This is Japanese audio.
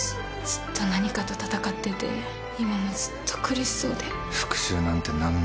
ずっと何かと戦っていて今もずっと苦しそうで。